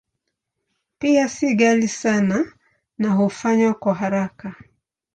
Pia si ghali sana na hufanywa kwa haraka.